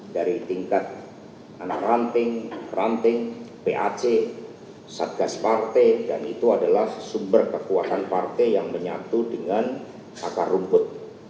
dari tingkat anak ranting ranting pac satgas partai dan itu adalah sumber kekuatan partai yang menyatu dengan akar rumput